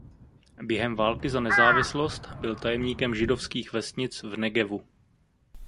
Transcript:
Během války za nezávislost byl tajemníkem židovských vesnic v Negevu.